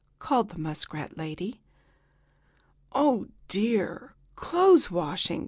called the muskrat lady. "Oh, dear! Clothes washing!"